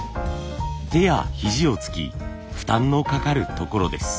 手や肘をつき負担のかかる所です。